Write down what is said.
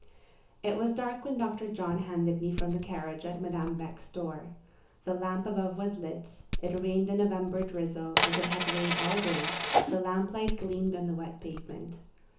It was dark when Dr. John handed me from the carriage at Madame Beck's door. The lamp above was lit; it rained a November drizzle, as it had rained all day: the lamplight gleamed on the wet pavement.